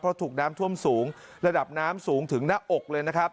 เพราะถูกน้ำท่วมสูงระดับน้ำสูงถึงหน้าอกเลยนะครับ